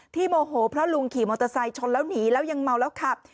โมโหเพราะลุงขี่มอเตอร์ไซค์ชนแล้วหนีแล้วยังเมาแล้วขับ